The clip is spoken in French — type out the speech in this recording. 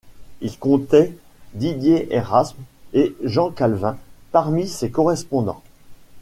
Il comptait Didier Érasme et Jean Calvin parmi ses correspondants.